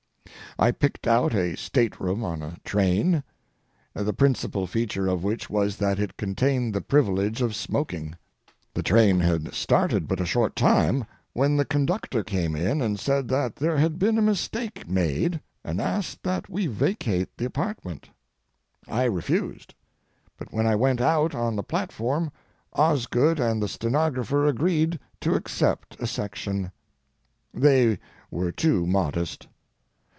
I picked out a state room on a train, the principal feature of which was that it contained the privilege of smoking. The train had started but a short time when the conductor came in and said that there had been a mistake made, and asked that we vacate the apartment. I refused, but when I went out on the platform Osgood and the stenographer agreed to accept a section. They were too modest.